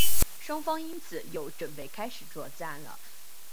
双方因此又准备开始作战了。